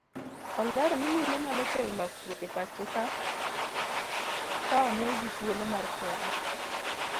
Olero ni mine nyalo kelo lokruok e pachoka ka omigi thuolo mar telo.